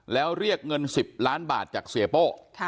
แล้วเรียกเงิน๑๐ล้านบาทจากเสียโป้